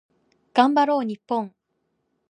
頑張ろう日本